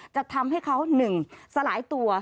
จะทำให้เขาหนึ่งสลายตัว